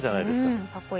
うんかっこいい。